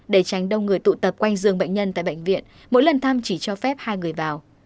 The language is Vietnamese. để tránh đông người tụ tập quanh giường bệnh nhân tại bệnh viện mỗi lần thăm chỉ cho phép hai người vào